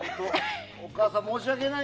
お母さん、申し訳ない。